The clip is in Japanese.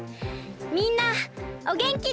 みんなおげんきで！